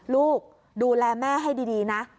ลูกดูแลแม่ให้ดีนะ